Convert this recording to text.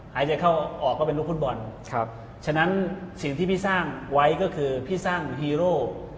หายใจเข้าออกก็เป็นลูกฟุตบอลครับฉะนั้นสิ่งที่พี่สร้างไว้ก็คือพี่สร้างฮีโร่